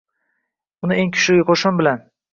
uni eng kuchli qo‘shin bilan ham ishg‘ol qilib bo‘lmaydi.